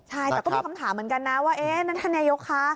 ใช่แต่ก็มีคำถามเหมือนกันนะว่านัทธันยกค่ะ